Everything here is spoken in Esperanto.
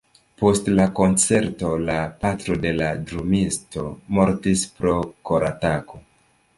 Post la koncerto, la patro de la drumisto mortis pro koratako.